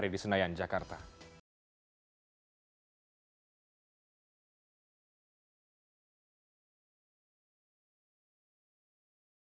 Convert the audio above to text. terima kasih angga dwi putra untuk informasi yang sudah langsung dari gedung dprri di senayan